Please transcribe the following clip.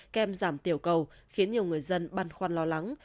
kem giảm tiểu cầu khiến nhiều người dân băn khoăn lo lắng